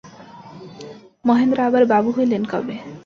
মহেন্দ্র আবার বাবু হইলেন কবে।